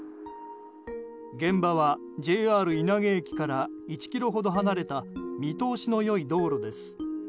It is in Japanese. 現場はＪＲ稲毛駅から１ｋｍほど離れた見通しの良い道路です。